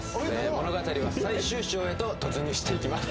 物語は最終章へと突入していきます